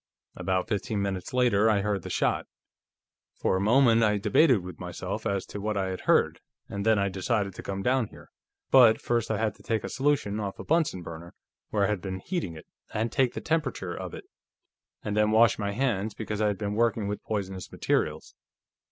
"About fifteen minutes later I heard the shot. For a moment, I debated with myself as to what I had heard, and then I decided to come down here. But first I had to take a solution off a Bunsen burner, where I had been heating it, and take the temperature of it, and then wash my hands, because I had been working with poisonous materials.